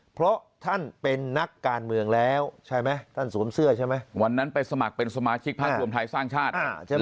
เพราะท่านเป็นนักการเมืองแล้วใช่ไหมท่านสวมเสื้อใช่ไหมวันนั้นไปสมัครเป็นสมาชิกพักรวมไทยสร้างชาติใช่ไหม